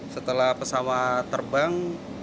setelah pesawat terbang